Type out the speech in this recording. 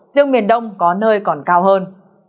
riêng miền đông có nơi còn cao hơn